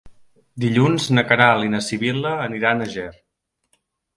Dilluns na Queralt i na Sibil·la aniran a Ger.